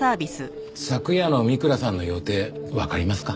昨夜の三倉さんの予定わかりますか？